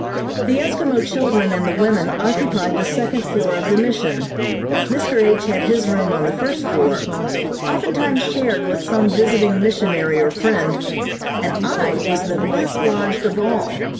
The Eskimo children and the women occupied the second floor of the mission. Mr. H. had his room on the first floor, oftentimes shared with some visiting missionary or friend, and I was the best lodged of all.